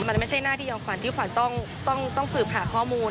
มันไม่ใช่หน้าที่ยอมขวัญที่ขวัญต้องสืบหาข้อมูล